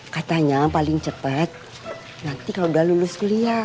katanya paling cepat nanti kalau udah lulus kuliah